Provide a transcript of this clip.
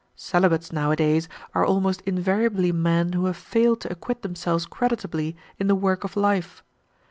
"Celibates nowadays are almost invariably men who have failed to acquit themselves creditably in the work of life.